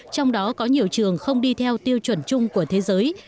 trong đó có nhiều trường không đi theo tiêu chuẩn chung của thế giới